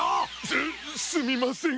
すすみません。